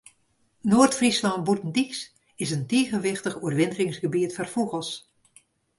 Noard-Fryslân Bûtendyks is in tige wichtich oerwinteringsgebiet foar fûgels.